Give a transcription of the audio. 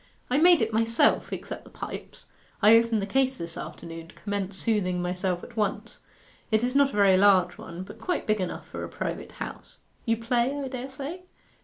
I made it myself, except the pipes. I opened the case this afternoon to commence soothing myself at once. It is not a very large one, but quite big enough for a private house. You play, I dare say?